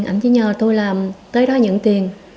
anh chỉ nhờ tôi làm tới đó nhận tiền